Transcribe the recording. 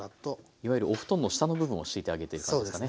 いわゆるお布団の下の部分を敷いてあげている感じですかね。